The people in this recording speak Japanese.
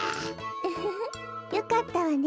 ウフフよかったわね。